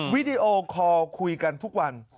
วิดีโอคอลคุยกันทุกวัน